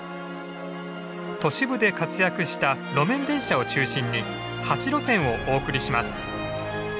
都市部で活躍した路面電車を中心に８路線をお送りします。